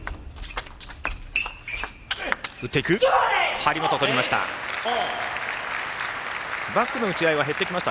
張本、取りました。